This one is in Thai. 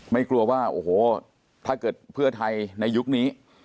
กลัวว่าโอ้โหถ้าเกิดเพื่อไทยในยุคนี้